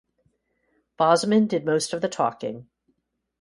Bosman did most of the talking.